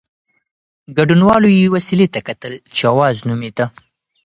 ګډونوالو یوې وسيلې ته کتل چې "اوز" نومېده.